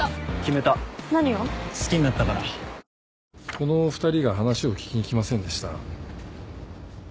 この２人が話を聞きに来ませんでした？